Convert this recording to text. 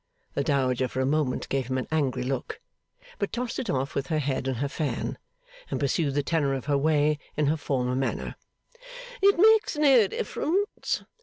The Dowager for a moment gave him an angry look; but tossed it off with her head and her fan, and pursued the tenor of her way in her former manner. 'It makes no difference.